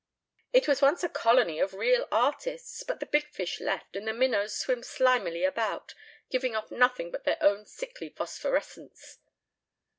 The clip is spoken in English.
"It was once a colony of real artists, but the big fish left and the minnows swim slimily about, giving off nothing but their own sickly phosphorescence."